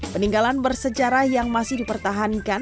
peninggalan bersejarah yang masih dipertahankan